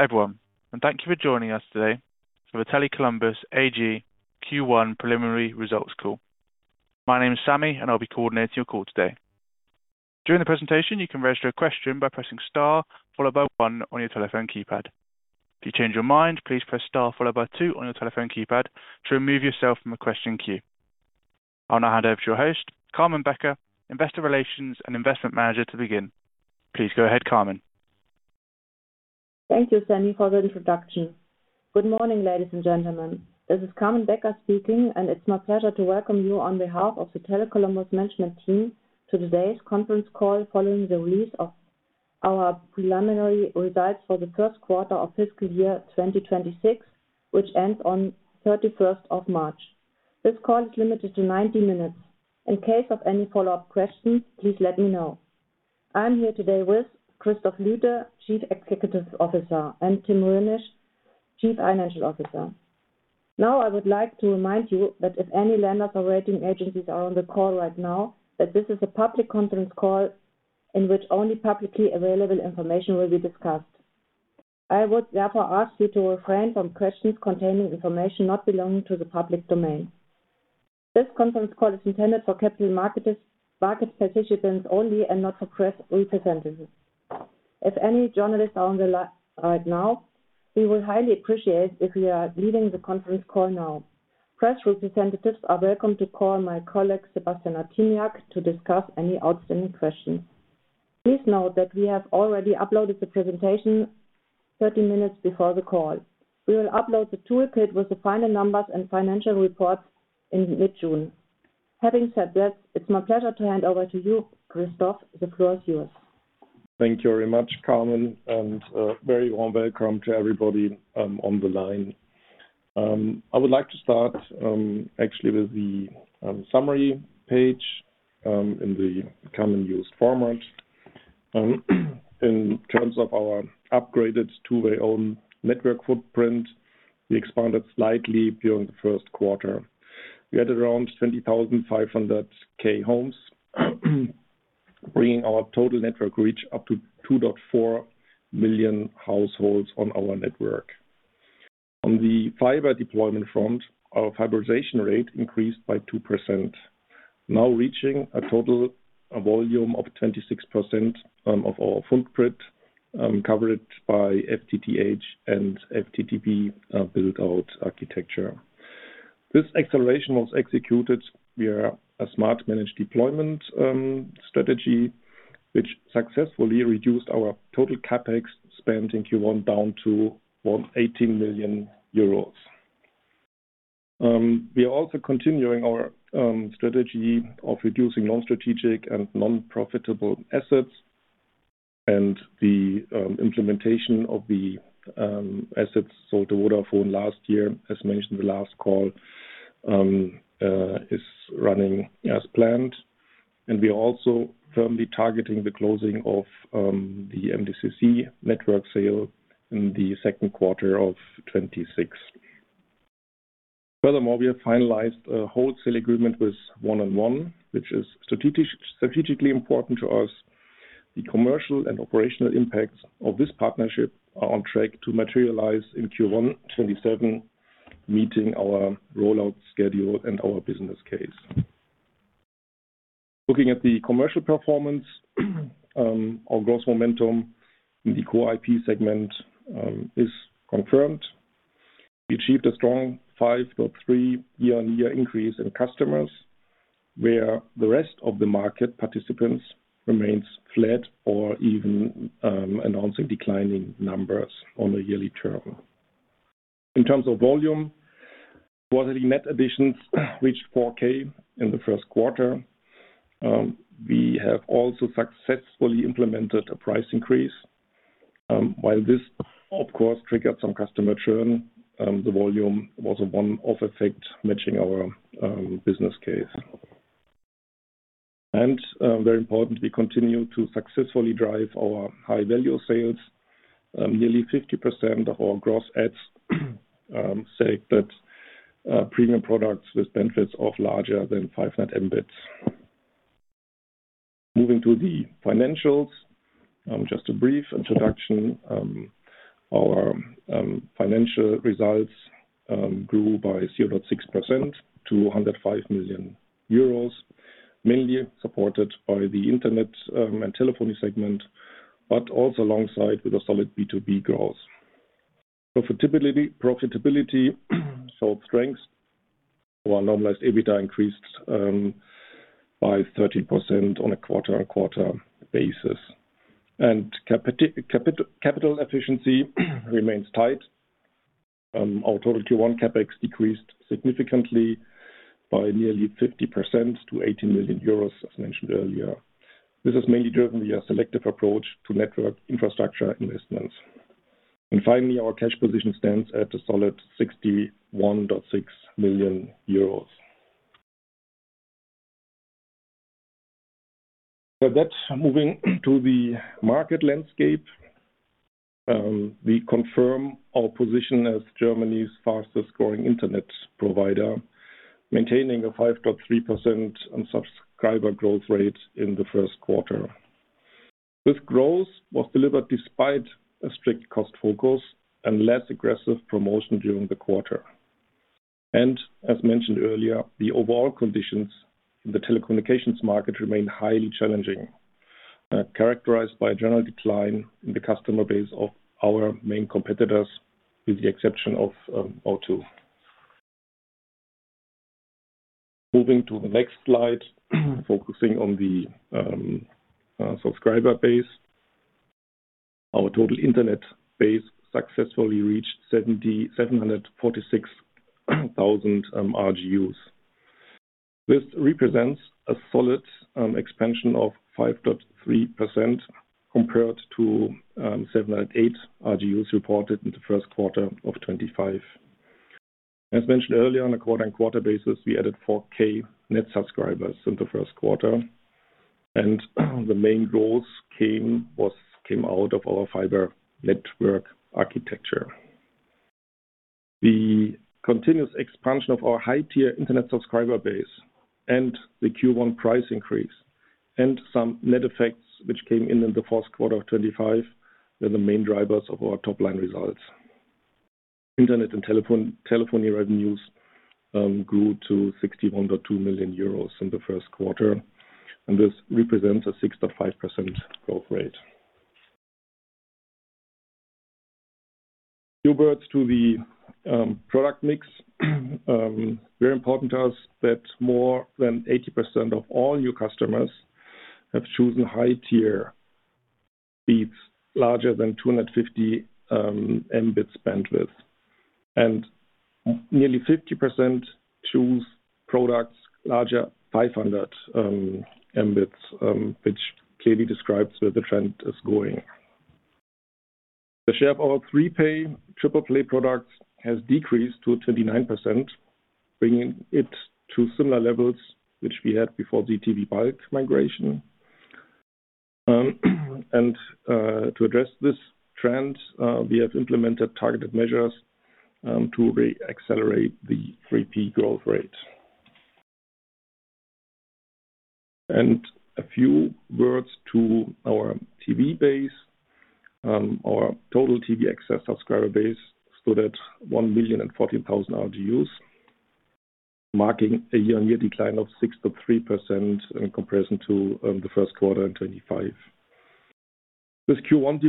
Hello everyone, thank you for joining us today for the Tele Columbus AG Q1 Preliminary Results Call. My name is Sammy, and I'll be coordinating your call today. I'll now hand over to your host, Carmen Becker, Investor Relations and Investment Manager to begin. Please go ahead, Carmen. Thank you, Sammy, for the introduction. Good morning, ladies and gentlemen. This is Carmen Becker speaking, and it's my pleasure to welcome you on behalf of the Tele Columbus management team to today's conference call following the release of our preliminary results for the first quarter of fiscal year 2026, which ends on 31st of March. This call is limited to 90 minutes. In case of any follow-up questions, please let me know. I am here today with Christoph Lüthe, Chief Executive Officer, and Tim Rhönisch, Chief Financial Officer. I would like to remind you that if any lenders or rating agencies are on the call right now, that this is a public conference call in which only publicly available information will be discussed. I would therefore ask you to refrain from questions containing information not belonging to the public domain. This conference call is intended for capital market participants only and not for press representatives. If any journalists are on the line right now, we will highly appreciate if you are leaving the conference call now. Press representatives are welcome to call my colleague, Sebastian Artymiak, to discuss any outstanding questions. Please note that we have already uploaded the presentation 30 minutes before the call. We will upload the toolkit with the final numbers and financial reports in mid-June. Having said this, it's my pleasure to hand over to you, Christoph. The floor is yours. Thank you very much, Carmen, and very warm welcome to everybody on the line. I would like to start actually with the summary page in the commonly used format. In terms of our upgraded two-way own network footprint, we expanded slightly during the first quarter. We had around 20,500 homes, bringing our total network reach up to 2.4 million households on our network. On the fiber deployment front, our fiberization rate increased by 2%, now reaching a total volume of 26% of our footprint covered by FTTH and FTTP build-out architecture. This acceleration was executed via a smart managed deployment strategy, which successfully reduced our total CapEx spend in Q1 down to 18 million euros. We are also continuing our strategy of reducing non-strategic and non-profitable assets, and the implementation of the assets sold to Vodafone last year, as mentioned the last call, is running as planned. We are also firmly targeting the closing of the MDCC network sale in the second quarter of 2026. Furthermore, we have finalized a wholesale agreement with 1&1 which is strategically important to us. The commercial and operational impacts of this partnership are on track to materialize in Q1 2027, meeting our rollout schedule and our business case. Looking at the commercial performance, our gross momentum in the core IP segment is confirmed. We achieved a strong 5.3% year-on-year increase in customers, where the rest of the market participants remains flat or even announcing declining numbers on a yearly term. In terms of volume, quarterly net additions reached 4,000 in the first quarter. We have also successfully implemented a price increase. While this, of course, triggered some customer churn, the volume was a one-off effect matching our business case. Very important, we continue to successfully drive our high-value sales. Nearly 50% of our gross adds say that premium products with benefits of larger than 500 Mbits. Moving to the financials. Just a brief introduction. Our financial results grew by 0.6% to 105 million euros, mainly supported by the internet and telephony segment, but also alongside with a solid B2B growth. Profitability showed strength. Our normalized EBITDA increased by 30% on a quarter-on-quarter basis. Capital efficiency remains tight. Our total Q1 CapEx decreased significantly by nearly 50% to 80 million euros, as mentioned earlier. This is mainly driven via a selective approach to network infrastructure investments. Finally, our cash position stands at a solid 61.6 million euros. With that, moving to the market landscape. We confirm our position as Germany's fastest-growing internet provider, maintaining a 5.3% on subscriber growth rate in the first quarter. This growth was delivered despite a strict cost focus and less aggressive promotion during the quarter. As mentioned earlier, the overall conditions in the telecommunications market remain highly challenging, characterized by a general decline in the customer base of our main competitors, with the exception of O2. Moving to the next slide, focusing on the subscriber base. Our total internet base successfully reached 746,000 RGUs. This represents a solid expansion of 5.3% compared to 708,000 RGUs reported in the first quarter of 2025. As mentioned earlier, on a quarter-on-quarter basis, we added 4,000 net subscribers in the first quarter, and the main growth came out of our fiber network architecture. The continuous expansion of our high-tier internet subscriber base and the Q1 price increase and some net effects which came in the first quarter of 2025, were the main drivers of our top-line results. Internet and telephony revenues grew to 600.2 million euros in the first quarter, this represents a 6.5% growth rate. A few words to the product mix. Very important to us that more than 80% of all new customers have chosen high-tier speeds larger than 250 Mbit bandwidth. Nearly 50% choose products larger 500 Mbits, which clearly describes where the trend is going. The share of our triple-play products has decreased to 29%, bringing it to similar levels which we had before DTV bulk migration. To address this trend, we have implemented targeted measures to re-accelerate the 3P growth rate. A few words to our TV base. Our total TV access subscriber base stood at 1,014,000 RGUs, marking a year-on-year decline of 6.3% in comparison to the first quarter in 2025. This Q1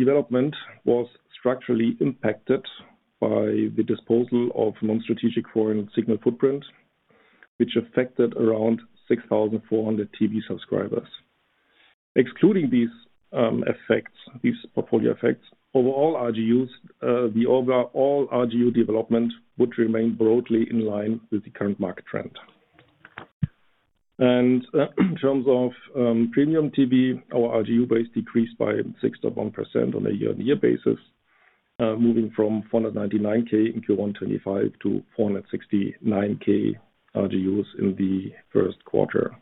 development was structurally impacted by the disposal of non-strategic foreign signal footprint, which affected around 6,400 TV subscribers. Excluding these effects, these portfolio effects, overall RGU development would remain broadly in line with the current market trend. In terms of premium TV, our RGU base decreased by 6.1% on a year-on-year basis, moving from 499,000 in Q1 2025 to 469,000 RGUs in the first quarter.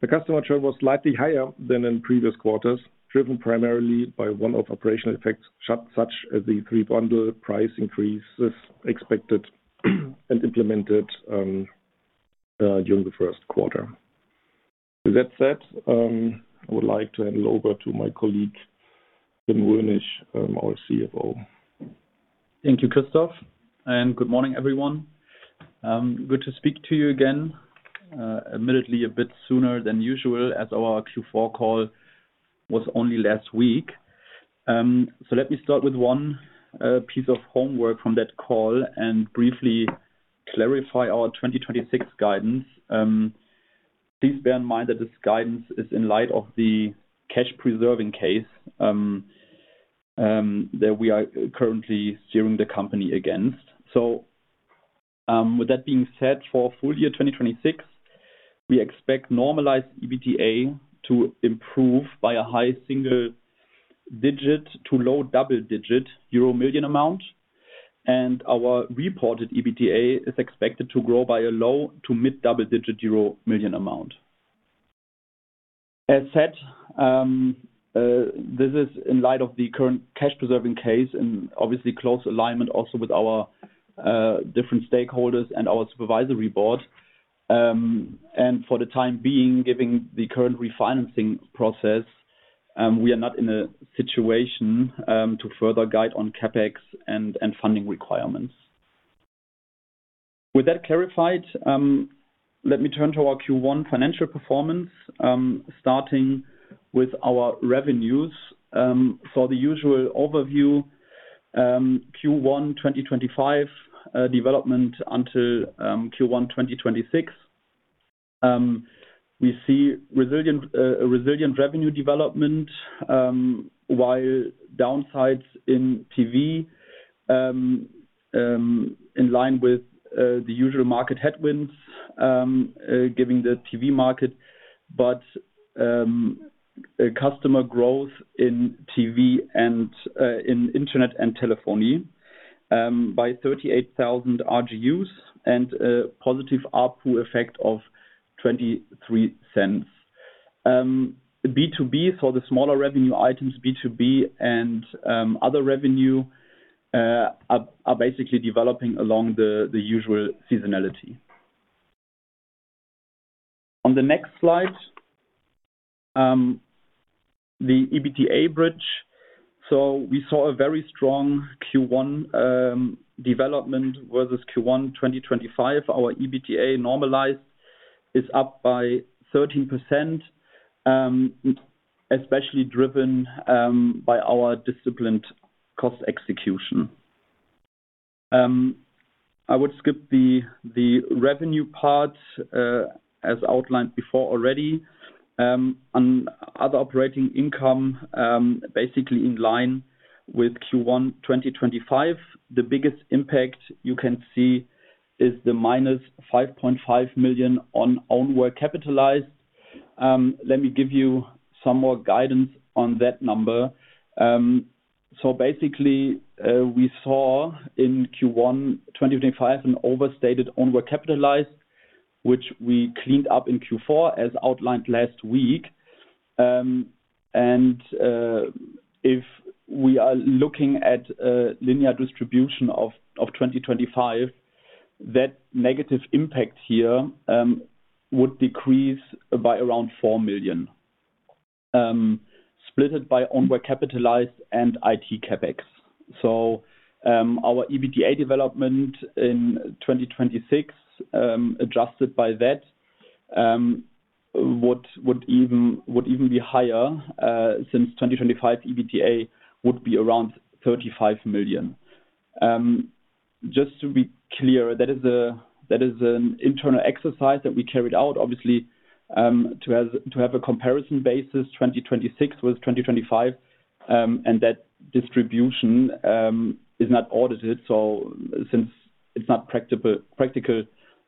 The customer churn was slightly higher than in previous quarters, driven primarily by one-off operational effects, such as the 3-bundle price increases expected and implemented during the first quarter. With that said, I would like to hand it over to my colleague, Tim Rhönisch, our CFO. Thank you, Christoph, good morning, everyone. Good to speak to you again. Admittedly, a bit sooner than usual as our Q4 call was only last week. Let me start with one piece of homework from that call and briefly clarify our 2026 guidance. Please bear in mind that this guidance is in light of the cash-preserving case that we are currently steering the company against. With that being said, for full year 2026, we expect normalized EBITDA to improve by a high single-digit to low double-digit euro million amount, and our reported EBITDA is expected to grow by a low to mid-double-digit euro million amount. As said, this is in light of the current cash-preserving case and obviously close alignment also with our different stakeholders and our supervisory board. For the time being, given the current refinancing process, we are not in a situation to further guide on CapEx and funding requirements. With that clarified, let me turn to our Q1 financial performance, starting with our revenues. For the usual overview, Q1 2025 development until Q1 2026. We see a resilient revenue development while downsides in TV, in line with the usual market headwinds, giving the TV market, but customer growth in TV and in internet and telephony by 38,000 RGUs and a positive ARPU effect of 0.23. B2B, so the smaller revenue items, B2B and other revenue, are basically developing along the usual seasonality. On the next slide, the EBITDA bridge. We saw a very strong Q1 development versus Q1 2025. Our EBITDA normalized is up by 13%, especially driven by our disciplined cost execution. I would skip the revenue part, as outlined before already. On other operating income, basically in line with Q1 2025. The biggest impact you can see is the minus 5.5 million on own work capitalized. Let me give you some more guidance on that number. Basically, we saw in Q1 2025 an overstated own work capitalized, which we cleaned up in Q4, as outlined last week. If we are looking at linear distribution of 2025, that negative impact here would decrease by around 4 million, split by own work capitalized and IT CapEx. Our EBITDA development in 2026, adjusted by that, would even be higher, since 2025 EBITDA would be around 35 million. Just to be clear, that is an internal exercise that we carried out, obviously, to have a comparison basis 2026 with 2025. That distribution is not audited, since it's not practical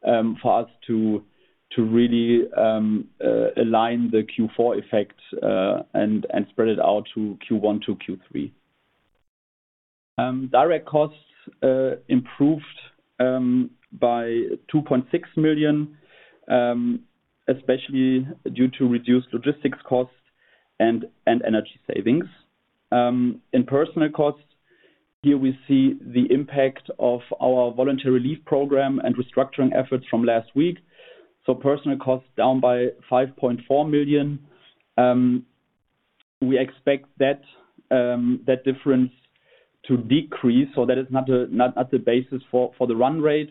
for us to really align the Q4 effect and spread it out to Q1 to Q3. Direct costs improved by 2.6 million, especially due to reduced logistics costs and energy savings. In personnel costs, here we see the impact of our voluntary leave program and restructuring efforts from last week. Personnel costs down by 5.4 million. We expect that difference to decrease, so that is not at the basis for the run rate,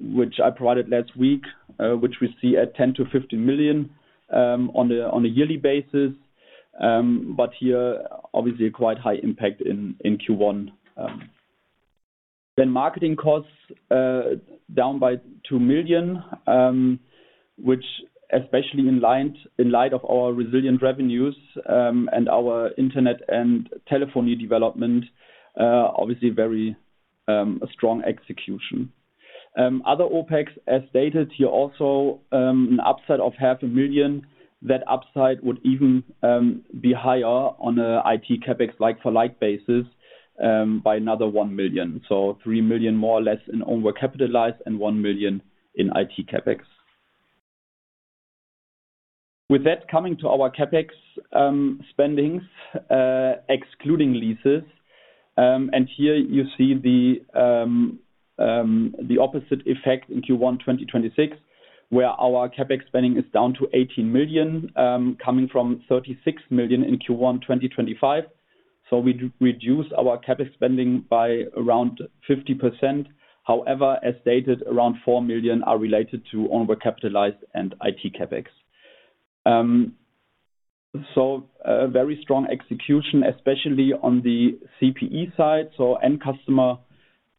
which I provided last week, which we see at 10 million-15 million on a yearly basis. Here, obviously a quite high impact in Q1. Marketing costs down by 2 million, which especially in light of our resilient revenues and our internet and telephony development, obviously a very strong execution. Other OpEx, as stated here also, an upside of half a million EUR. That upside would even be higher on a IT CapEx like-for-like basis by another 1 million. 3 million, more or less, in own work capitalized and 1 million in IT CapEx. With that, coming to our CapEx spendings, excluding leases. Here you see the opposite effect in Q1 2026, where our CapEx spending is down to 18 million, coming from 36 million in Q1 2025. However, as stated, around 4 million are related to own work capitalized and IT CapEx. A very strong execution, especially on the CPE side, so end customer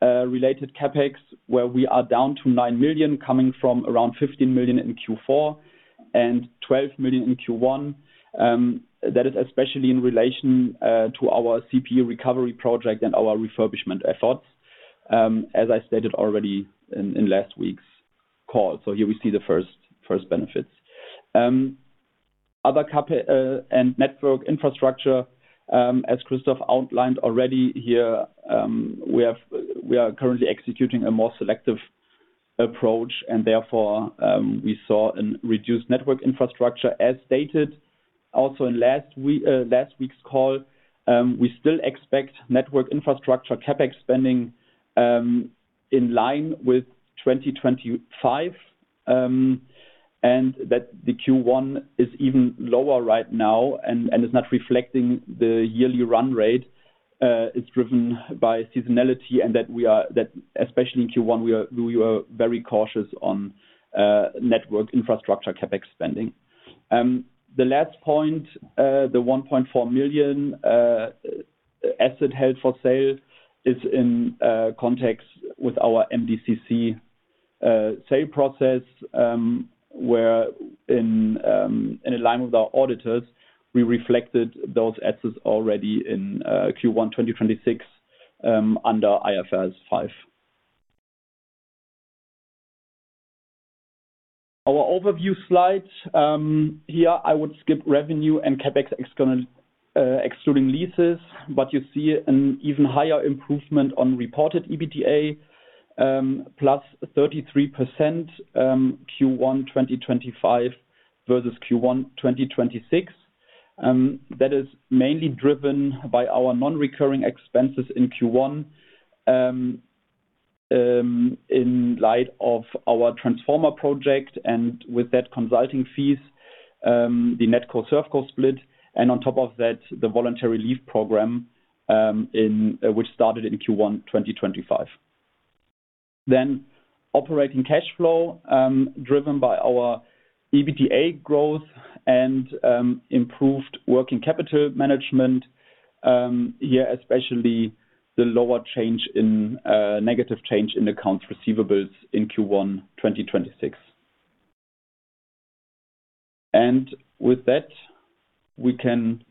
related CapEx, where we are down to 9 million, coming from around 15 million in Q4 and 12 million in Q1. That is especially in relation to our CPE recovery project and our refurbishment efforts, as I stated already in last week's call. Here we see the first benefits. Other CapEx and network infrastructure, as Christoph outlined already here, we are currently executing a more selective approach, therefore, we saw a reduced network infrastructure as stated. Also in last week's call, we still expect network infrastructure CapEx spending in line with 2025, that the Q1 is even lower right now and is not reflecting the yearly run rate. It's driven by seasonality, that especially in Q1, we were very cautious on network infrastructure CapEx spending. The last point, the 1.4 million asset held for sale, is in context with our MDCC sale process, where in alignment with our auditors, we reflected those assets already in Q1 2026, under IFRS 5. Our overview slide. Here I would skip revenue and CapEx excluding leases, but you see an even higher improvement on reported EBITDA. 33% Q1 2025 versus Q1 2026. That is mainly driven by our non-recurring expenses in Q1, in light of our transformation project, and with that consulting fees, the NetCo ServCo split, and on top of that, the voluntary leave program which started in Q1 2025. Operating cash flow, driven by our EBITDA growth and improved working capital management. Here, especially the lower negative change in accounts receivables in Q1 2026. With that, we can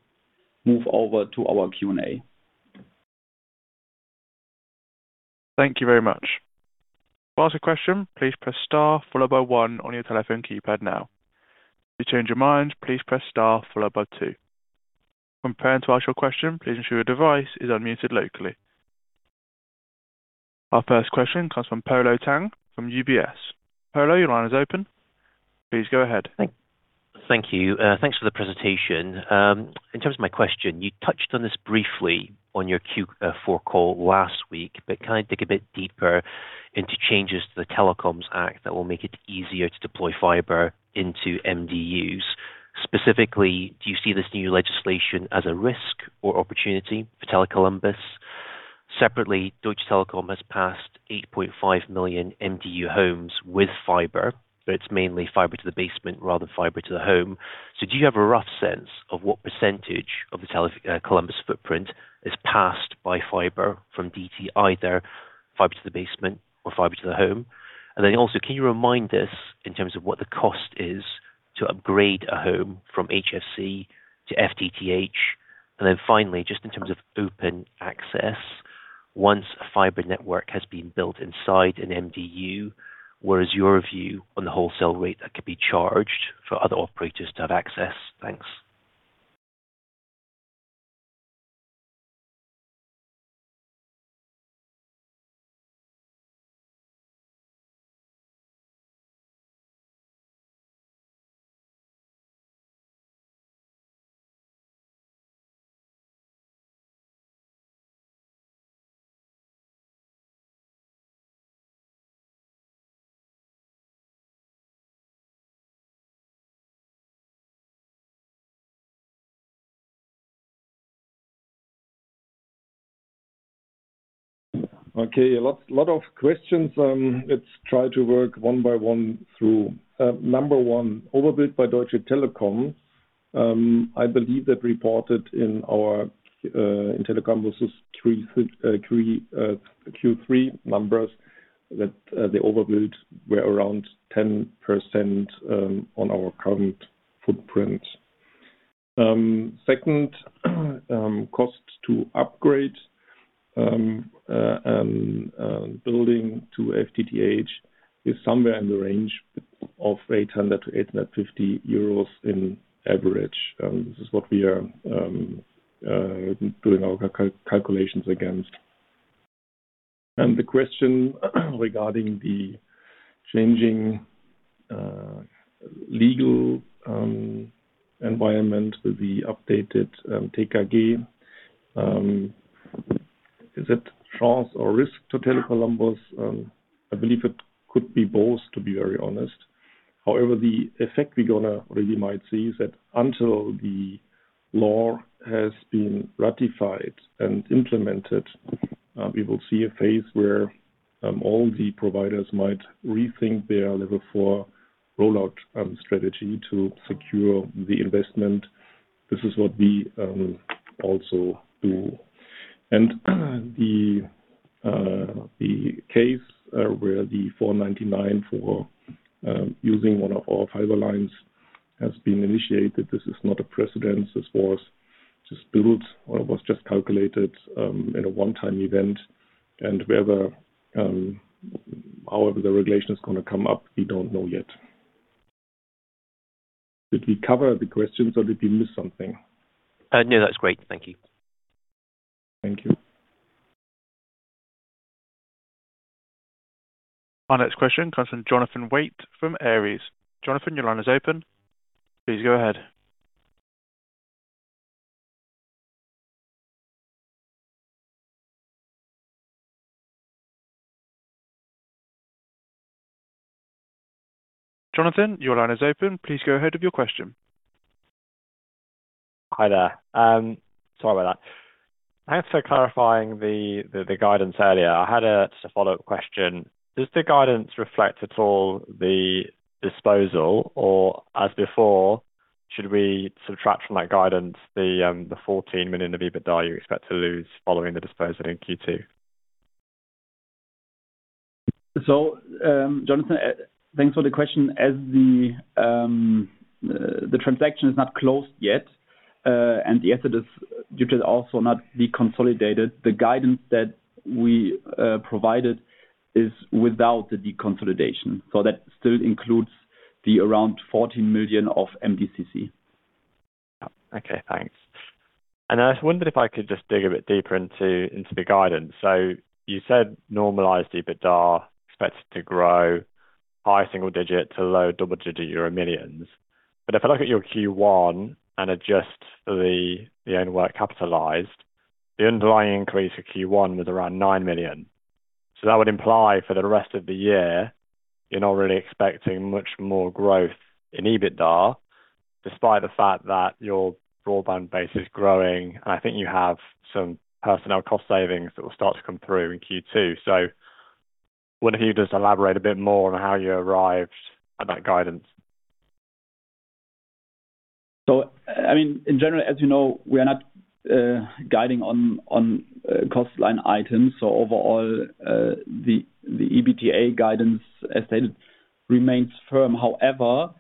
move over to our Q&A. Thank you very much. Our first question comes from Polo Tang from UBS. Polo, your line is open. Please go ahead. Thank you. Thanks for the presentation. In terms of my question, you touched on this briefly on your Q4 call last week. Can I dig a bit deeper into changes to the Telecommunications Act that will make it easier to deploy fiber into MDUs? Specifically, do you see this new legislation as a risk or opportunity for Tele Columbus? Separately, Deutsche Telekom has passed 8.5 million MDU homes with fiber, but it's mainly fiber to the basement rather than fiber to the home. Do you have a rough sense of what percentage of the Tele Columbus footprint is passed by fiber from DT, either fiber to the basement or fiber to the home? Can you remind us in terms of what the cost is to upgrade a home from HFC to FTTH? Finally, just in terms of open access, once a fiber network has been built inside an MDU, where is your view on the wholesale rate that could be charged for other operators to have access? Thanks. Okay. A lot of questions. Let's try to work one by one through. Number one, overbuild by Deutsche Telekom. I believe that reported in Tele Columbus's Q3 numbers, that the overbuild were around 10% on our current footprint. Second, costs to upgrade building to FTTH is somewhere in the range of 800 to 850 euros in average. This is what we are doing our calculations against. The question regarding the changing legal environment with the updated TKG. Is it chance or risk to Tele Columbus? I believe it could be both, to be very honest. The effect we're going to really might see is that until the law has been ratified and implemented, we will see a phase where all the providers might rethink their Level four rollout strategy to secure the investment. This is what we also do. The case where the 499 for using one of our fiber lines has been initiated. This is not a precedent. This was disputed, or it was just calculated in a one-time event. However the regulation is going to come up, we don't know yet. Did we cover the questions or did we miss something? No, that's great. Thank you. Thank you. Our next question comes from Jonathan Waite from Ares. Jonathan, your line is open. Please go ahead. Jonathan, your line is open. Please go ahead with your question. Hi there. Sorry about that. Thanks for clarifying the guidance earlier. I had a follow-up question. Does the guidance reflect at all the disposal or as before, should we subtract from that guidance the 14 million of EBITDA you expect to lose following the disposal in Q2? Jonathan, thanks for the question. As the transaction is not closed yet, and the asset is also not deconsolidated, the guidance that we provided is without the deconsolidation. That still includes the around 14 million of MDCC. Okay, thanks. I just wondered if I could just dig a bit deeper into the guidance. You said normalized EBITDA expected to grow high single-digit to low double-digit euro millions. If I look at your Q1 and adjust the own work capitalized, the underlying increase for Q1 was around 9 million. That would imply for the rest of the year, you are not really expecting much more growth in EBITDA, despite the fact that your broadband base is growing, and I think you have some personnel cost savings that will start to come through in Q2. I wonder if you could just elaborate a bit more on how you arrived at that guidance. In general, as you know, we are not guiding on cost line items. Overall, the EBITDA guidance, as stated, remains firm. However,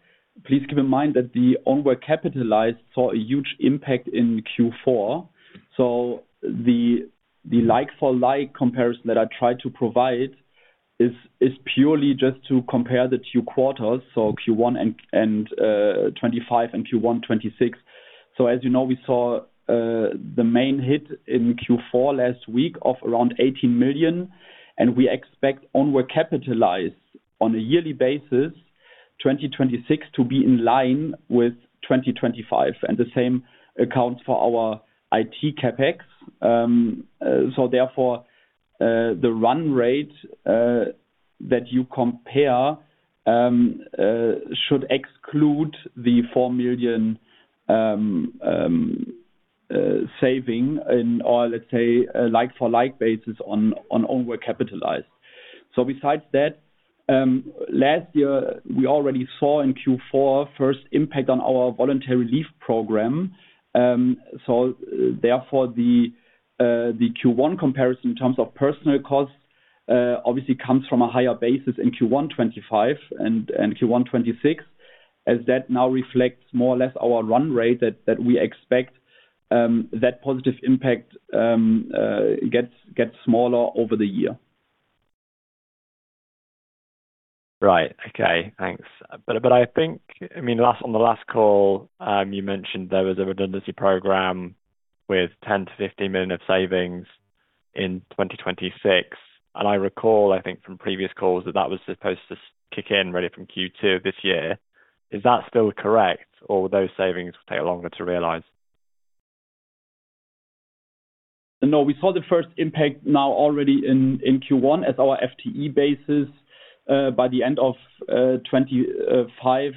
please keep in mind that the own work capitalized saw a huge impact in Q4. The like-for-like comparison that I tried to provide is purely just to compare the two quarters, Q1 2025 and Q1 2026. As you know, we saw the main hit in Q4 last week of around 18 million, and we expect own work capitalized on a yearly basis, 2026 to be in line with 2025. The same accounts for our IT CapEx. Therefore, the run rate that you compare should exclude the EUR four million saving in, or let's say, a like-for-like basis on own work capitalized. Besides that, last year, we already saw in Q4 first impact on our voluntary leave program. Therefore the Q1 comparison in terms of personal costs, obviously comes from a higher basis in Q1 2025 and Q1 2026, as that now reflects more or less our run rate that we expect, that positive impact gets smaller over the year. Right. Okay. Thanks. I think, on the last call, you mentioned there was a redundancy program with 10 million-15 million of savings in 2026. I recall, I think from previous calls, that was supposed to kick in really from Q2 of this year. Is that still correct, or will those savings take longer to realize? No, we saw the first impact now already in Q1 as our FTE bases, by the end of 2025,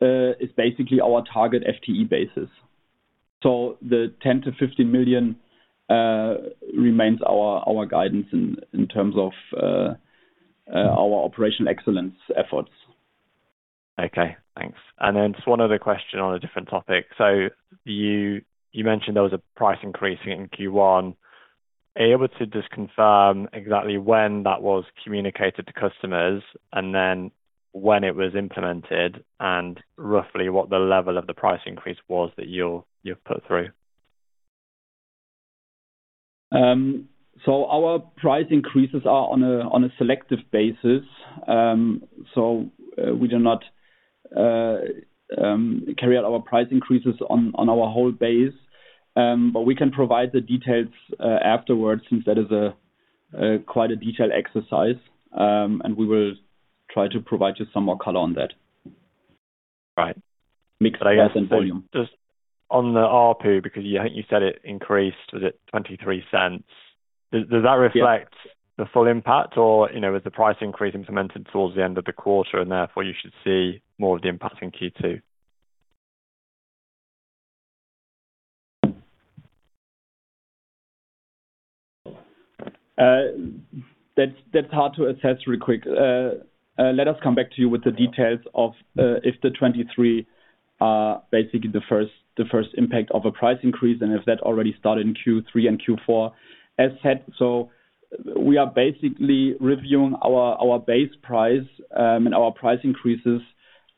is basically our target FTE basis. The 10 million-15 million remains our guidance in terms of our operation excellence efforts. Okay, thanks. Just one other question on a different topic. You mentioned there was a price increase in Q1. Are you able to just confirm exactly when that was communicated to customers, and then when it was implemented, and roughly what the level of the price increase was that you've put through? Our price increases are on a selective basis. We do not carry out our price increases on our whole base. We can provide the details afterwards since that is quite a detailed exercise. We will try to provide you some more color on that. Right. Mix price and volume. Just on the ARPU, because I think you said it increased. Was it 0.23? Does that reflect the full impact, or was the price increase implemented towards the end of the quarter and therefore you should see more of the impact in Q2? That's hard to assess real quick. Let us come back to you with the details of if the 0.23 are basically the first impact of a price increase, and if that already started in Q3, and Q4 as had. We are basically reviewing our base price and our price increases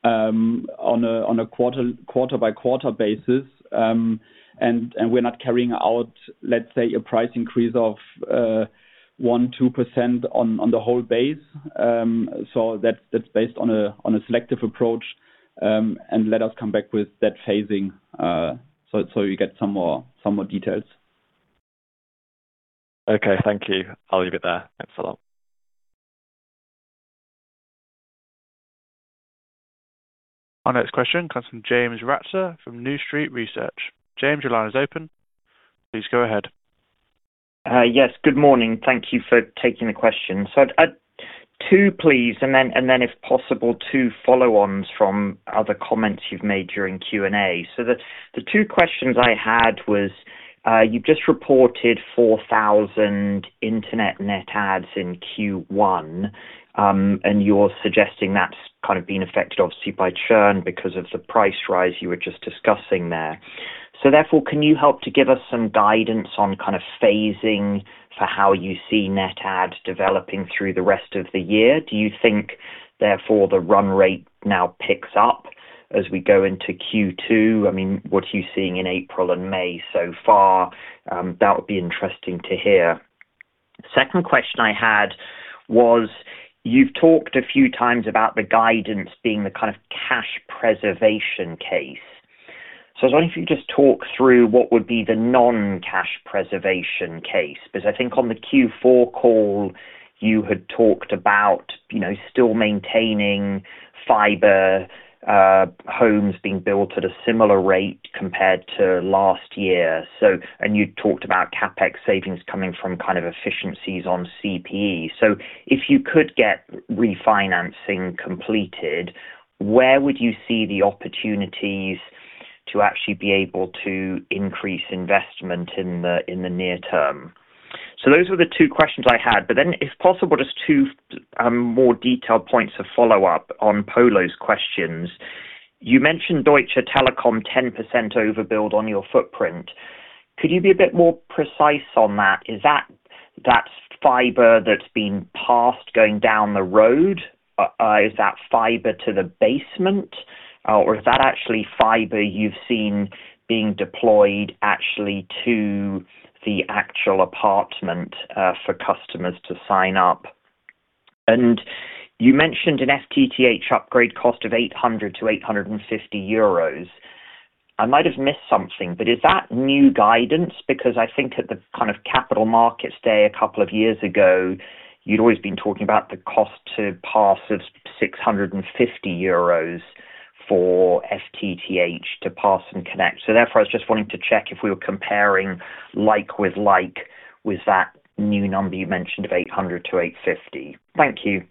on a quarter by quarter basis. We're not carrying out, let's say, a price increase of 1%, 2% on the whole base. That's based on a selective approach. Let us come back with that phasing, so you get some more details. Okay. Thank you. I'll leave it there. Thanks a lot. Our next question comes from James Ratzer from New Street Research. James, your line is open. Please go ahead. Yes, good morning. Thank you for taking the question. I'd two, please, and then, if possible, two follow-ons from other comments you've made during Q&A. The two questions I had was, you've just reported 4,000 Internet net adds in Q1, and you're suggesting that's being affected obviously by churn because of the price rise you were just discussing there. Therefore, can you help to give us some guidance on phasing for how you see net add developing through the rest of the year? Do you think therefore the run rate now picks up as we go into Q2? What are you seeing in April and May so far? That would be interesting to hear. Second question I had was, you've talked a few times about the guidance being the kind of cash preservation case. I was wondering if you could just talk through what would be the non-cash preservation case. Because I think on the Q4 call, you had talked about still maintaining fiber, homes being built at a similar rate compared to last year. You talked about CapEx savings coming from efficiencies on CPE. If you could get refinancing completed, where would you see the opportunities to actually be able to increase investment in the near term? Those were the two questions I had. If possible, just two more detailed points of follow-up on Polo's questions. You mentioned Deutsche Telekom 10% overbuild on your footprint. Could you be a bit more precise on that? Is that fiber that's been passed going down the road? Is that fiber to the basement? Is that actually fiber you've seen being deployed actually to the actual apartment for customers to sign up? You mentioned an FTTH upgrade cost of 800-850 euros. I might have missed something, is that new guidance? I think at the capital markets day a couple of years ago, you'd always been talking about the cost to pass of 650 euros for FTTH to pass and connect. I was just wanting to check if we were comparing like with like with that new number you mentioned of 800-850. Thank you.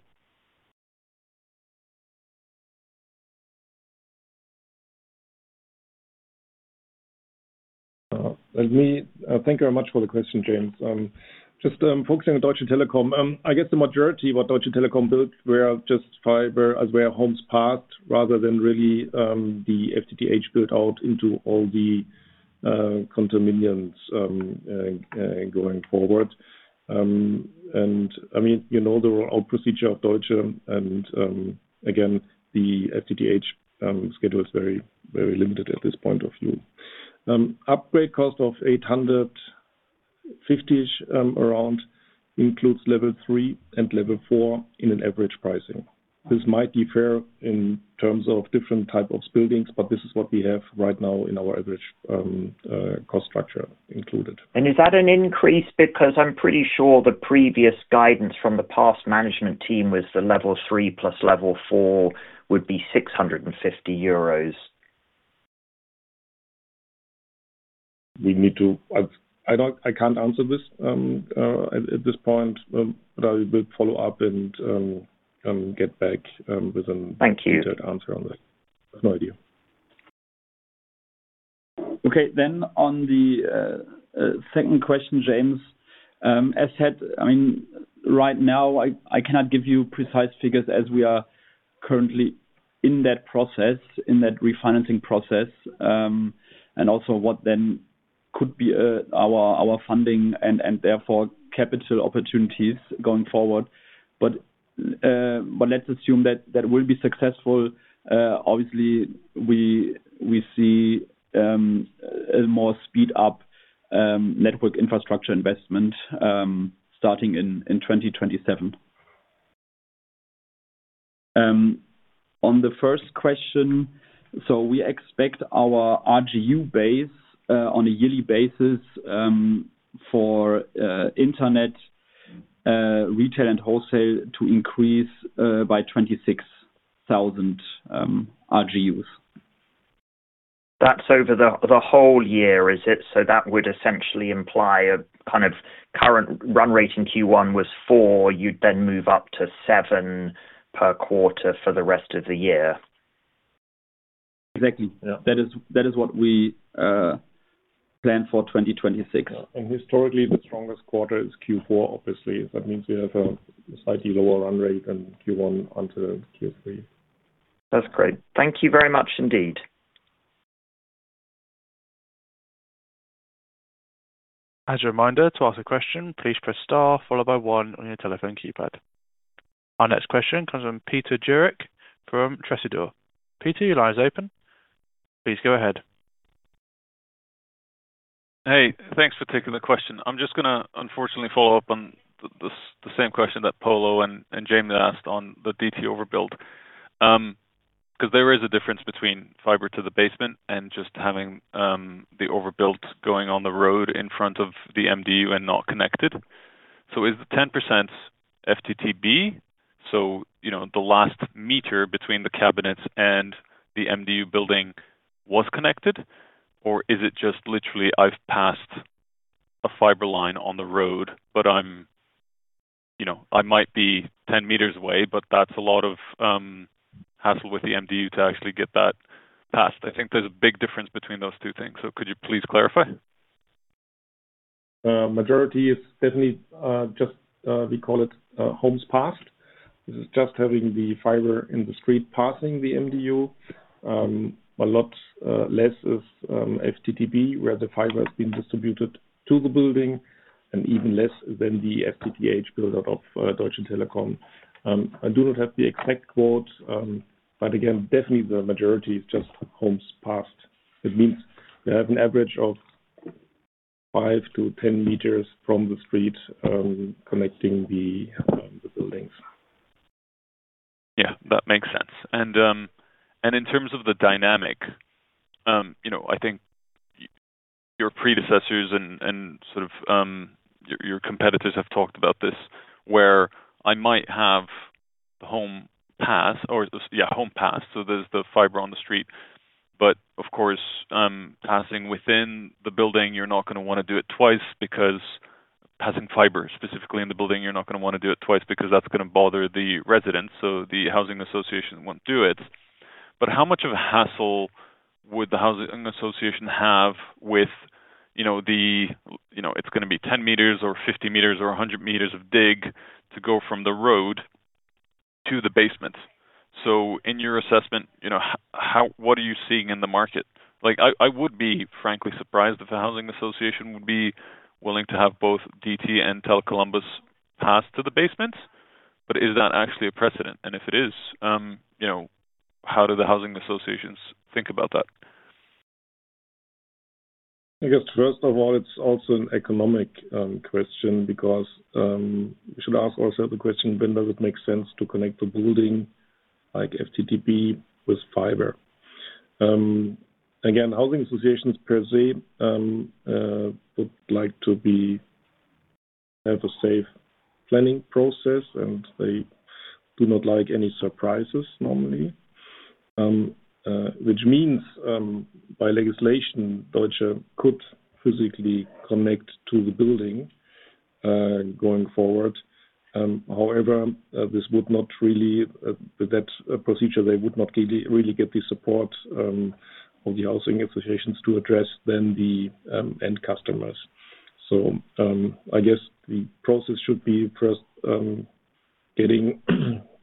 Thank you very much for the question, James. Just focusing on Deutsche Telekom. I guess the majority of what Deutsche Telekom built were just fiber as where homes passed rather than really the FTTH built out into all the condominiums going forward. You know the rollout procedure of Deutsche and, again, the FTTH schedule is very limited at this point of view. Upgrade cost of 850-ish around includes Level three and Level four in an average pricing. This might differ in terms of different type of buildings, but this is what we have right now in our average cost structure included. Is that an increase? Because I'm pretty sure the previous guidance from the past management team was the Level three plus Level four would be €650. I can't answer this at this point, but I will follow up and get back with. Thank you. detailed answer on that. No idea. On the second question, James. As said, right now I cannot give you precise figures as we are currently in that refinancing process. Also what then could be our funding and therefore capital opportunities going forward. Let's assume that that will be successful. Obviously, we see a more speed-up network infrastructure investment starting in 2027. On the first question. We expect our RGU base on a yearly basis for internet retail and wholesale to increase by 26,000 RGUs. That's over the whole year, is it? That would essentially imply a current run rate in Q1 was four, you'd then move up to seven per quarter for the rest of the year. Exactly. Yeah. That is what we plan for 2026. Yeah. Historically, the strongest quarter is Q4, obviously. That means we have a slightly lower run rate than Q1 until Q3. That's great. Thank you very much indeed. As a reminder, to ask a question, please press star followed by one on your telephone keypad. Our next question comes from Peter Djerek from Tresidor. Peter, your line's open. Please go ahead. Hey, thanks for taking the question. I'm just going to unfortunately follow up on the same question that Polo and James asked on the DT overbuild. There is a difference between fiber to the basement and just having the overbuild going on the road in front of the MDU and not connected. Is the 10% FTTB? The last meter between the cabinets and the MDU building was connected? Is it just literally I've passed a fiber line on the road, but I might be 10 meters away, but that's a lot of hassle with the MDU to actually get that passed. I think there's a big difference between those two things. Could you please clarify? Majority is definitely just, we call it homes passed. This is just having the fiber in the street passing the MDU. A lot less is FTTB, where the fiber has been distributed to the building, and even less than the FTTH buildout of Deutsche Telekom. I do not have the exact quotes, but again, definitely the majority is just homes passed. That means we have an average of five to 10 meters from the street connecting the buildings. Yeah, that makes sense. In terms of the dynamic, I think your predecessors and your competitors have talked about this, where I might have home pass, so there's the fiber on the street. Of course, passing within the building, you're not going to want to do it twice because passing fiber specifically in the building, you're not going to want to do it twice, because that's going to bother the residents, so the housing association won't do it. How much of a hassle would the housing association have with the, it's going to be 10 meters or 50 meters or 100 meters of dig to go from the road to the basement. In your assessment, what are you seeing in the market? I would be frankly surprised if a housing association would be willing to have both DT and Tele Columbus pass to the basement. Is that actually a precedent? If it is, how do the housing associations think about that? I guess first of all, it's also an economic question because we should ask also the question, when does it make sense to connect the building, like FTTP with fiber? Again, housing associations per se, would like to have a safe planning process, and they do not like any surprises normally. Which means, by legislation, Deutsche Telekom could physically connect to the building, going forward. That procedure, they would not really get the support of the housing associations to address then the end customers. I guess the process should be first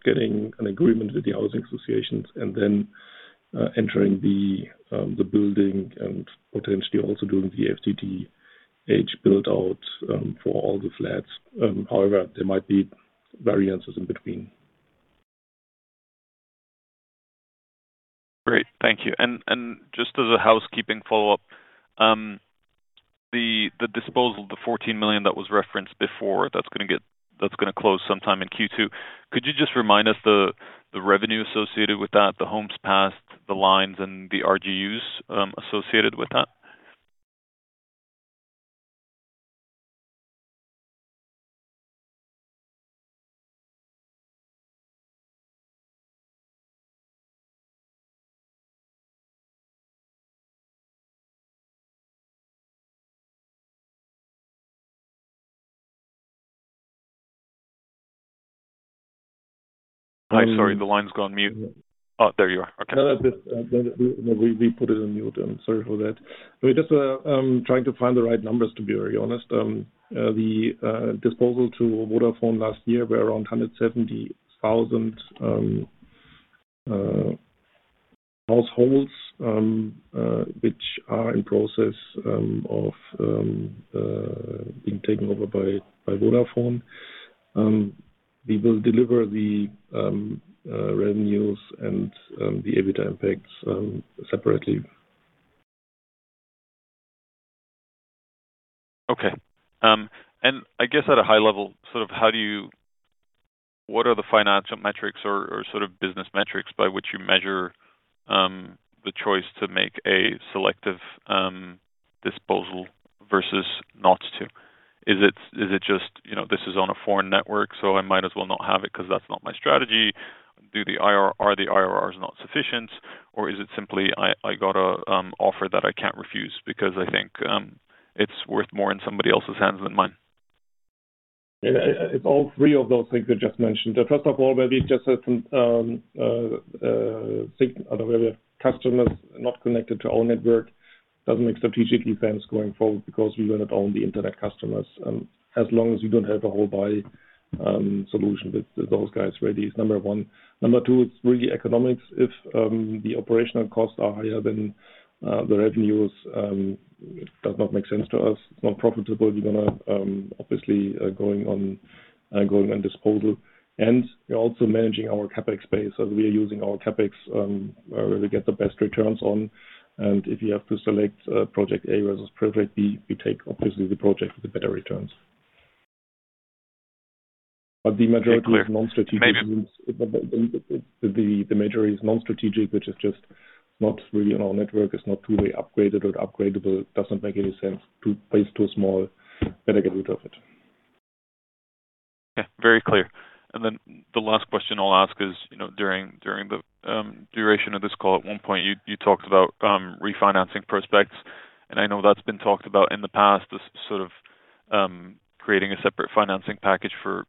getting an agreement with the housing associations and then entering the building and potentially also doing the FTTH build-out for all the flats. There might be variances in between. Great. Thank you. Just as a housekeeping follow-up, the disposal, the 14 million that was referenced before, that's going to close sometime in Q2. Could you just remind us the revenue associated with that, the homes passed, the lines, and the RGUs associated with that? Hi, sorry, the line's gone mute. Oh, there you are. Okay. We put it on mute. Sorry for that. We're just trying to find the right numbers, to be very honest. The disposal to Vodafone last year were around 170,000 households, which are in process of being taken over by Vodafone. We will deliver the revenues and the EBITDA impacts separately. Okay. I guess at a high level, what are the financial metrics or business metrics by which you measure the choice to make a selective disposal versus not to? Is it just this is on a foreign network, so I might as well not have it because that's not my strategy? Are the IRRs not sufficient? Is it simply I got an offer that I can't refuse because I think it's worth more in somebody else's hands than mine? It's all three of those things you just mentioned. First of all, where we've just had some customers not connected to our network, doesn't make strategic sense going forward because we will not own the Internet customers. As long as you don't have a wholesale solution with those guys ready is number one. Number two, it's really economics. If the operational costs are higher than the revenues, it does not make sense to us. It's not profitable. We're obviously going on disposal. We're also managing our CapEx space as we are using our CapEx, where we get the best returns on. If you have to select project A versus project B, we take obviously the project with the better returns. Very clear. The majority is non-strategic, which is just not really on our network. It's not truly upgraded or upgradable. It doesn't make any sense. Base too small. Better get rid of it. Yeah. Very clear. The last question I'll ask is, during the duration of this call, at one point you talked about refinancing prospects. I know that's been talked about in the past, this sort of creating a separate financing package for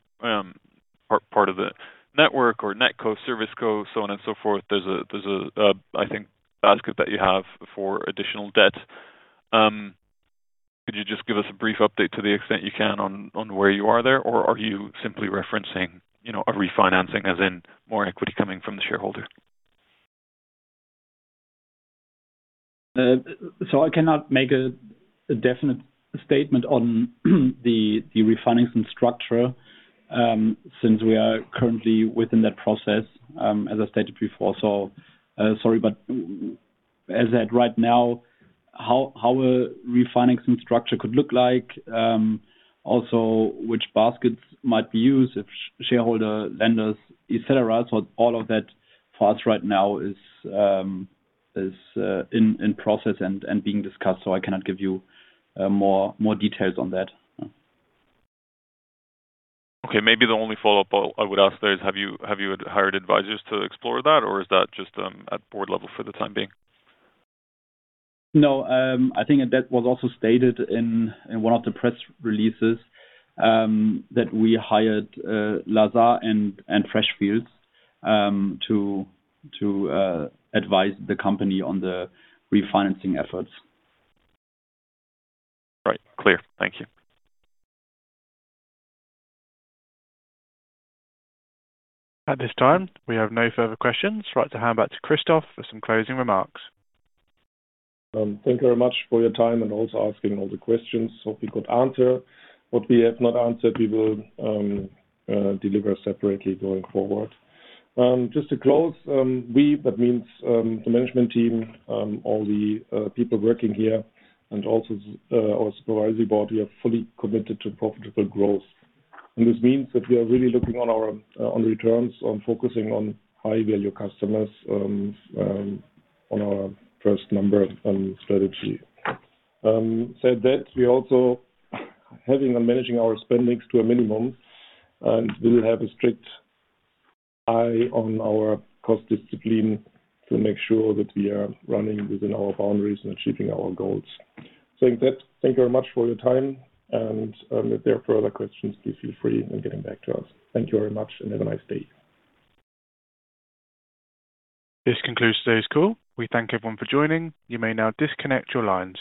part of the network or NetCo, ServiceCo, so on and so forth. There's a, I think, basket that you have for additional debt. Could you just give us a brief update to the extent you can on where you are there? Are you simply referencing a refinancing as in more equity coming from the shareholder? I cannot make a definite statement on the refinancing structure, since we are currently within that process, as I stated before. Sorry, but as at right now, how a refinancing structure could look like, also which baskets might be used if shareholder, lenders, et cetera. All of that for us right now is in process and being discussed. I cannot give you more details on that. Okay. Maybe the only follow-up I would ask there is, have you hired advisors to explore that, or is that just at board level for the time being? No, I think that was also stated in one of the press releases, that we hired Lazard and Freshfields to advise the company on the refinancing efforts. Right. Clear. Thank you. At this time, we have no further questions. Right to hand back to Christoph for some closing remarks. Thank you very much for your time and also asking all the questions. Hope we could answer. What we have not answered, we will deliver separately going forward. Just to close, we, that means the management team, all the people working here and also our supervisory board, we are fully committed to profitable growth. This means that we are really looking on returns, on focusing on high-value customers on our first number on strategy. Said that, we also having and managing our spendings to a minimum, and we will have a strict eye on our cost discipline to make sure that we are running within our boundaries and achieving our goals. Saying that, thank you very much for your time, and if there are further questions, please feel free in getting back to us. Thank you very much and have a nice day. This concludes today's call. We thank everyone for joining. You may now disconnect your lines.